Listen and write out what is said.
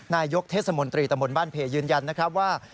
นายกเทศมนตรีตะมนต์บ้านเพยืนยันนะครับว่า